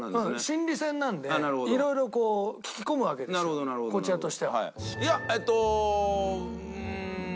心理戦なんでいろいろ聞き込むわけですよこちらとしては。いやえっとうーん。